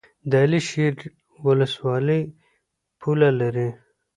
د علي شیر ولسوالۍ پوله لري